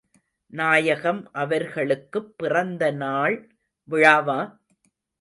நாயகம் அவர்களுக்குப் பிறந்த நாள் விழாவா?